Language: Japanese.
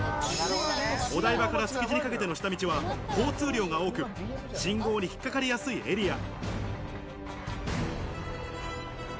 お台場から築地にかけての下道は交通量が多く、信号に引っかかりやすいエリア。